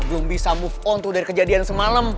belum bisa move on tuh dari kejadian semalam